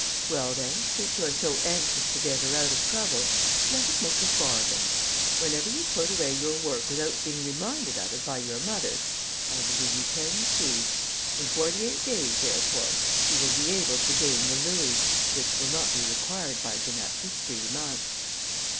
"Well, then, since you are so anxious to get her out of trouble, let us make a bargain. Whenever you put away your work without being reminded of it by your mother, I will give you ten sous; in forty eight days, therefore, you will be able to gain the louis, which will not be required by Janette for three months."